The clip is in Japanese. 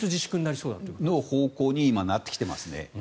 その方向に今なってきています。